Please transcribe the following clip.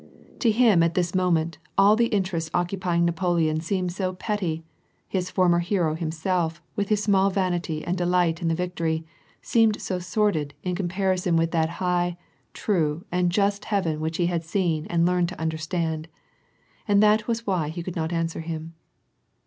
To him at this moment all the interests occupying j Napoleon seemed so petty, his former hero himself, with hu j small vanity and delight in the victory, seemed so sordid in comparison with that high, true, and just heaven which he had seen and learned to understand ; and that was why he could ■ not answer him.